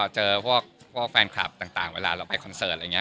เจอพวกแฟนคลับต่างเวลาเราไปคอนเสิร์ตอะไรอย่างนี้